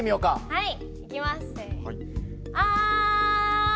はい。